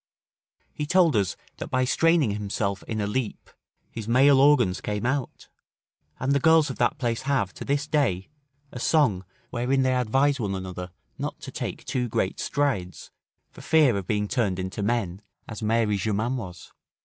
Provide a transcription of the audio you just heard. He told us, that by straining himself in a leap his male organs came out; and the girls of that place have, to this day, a song, wherein they advise one another not to take too great strides, for fear of being turned into men, as Mary Germain was.